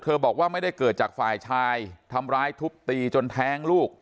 บอกว่าไม่ได้เกิดจากฝ่ายชายทำร้ายทุบตีจนแท้งลูก